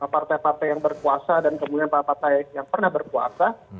partai partai yang berkuasa dan kemudian partai partai yang pernah berkuasa